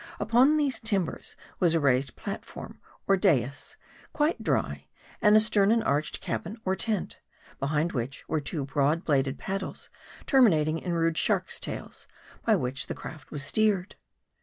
Upon these timbers was a raised plat form or dais, quite dry ; and astern an arched cabin or tent ; behind which, were two broad bladed paddles terminating in rude shark tails, by which the craft was steered.